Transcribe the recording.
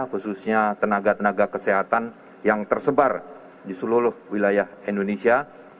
khususnya tenaga tenaga kesehatan yang tersebar di seluruh wilayah indonesia